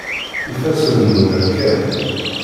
Ifassen-nwen rkan.